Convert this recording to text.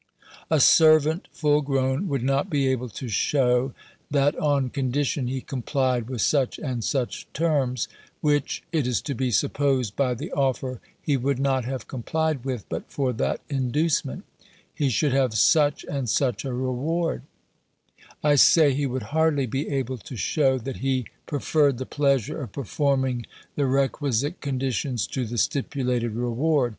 A servant, full grown, would not be able to shew, that, on condition he complied with such and such terms (which, it is to be supposed by the offer, he would not have complied with, but for that inducement), he should have such and such a reward; I say, he would hardly be able to shew, that he preferred the pleasure of performing the requisite conditions to the stipulated reward.